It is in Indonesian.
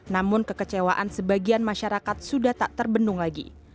namun kekecewaan sebagian masyarakat sudah tak terbendung lagi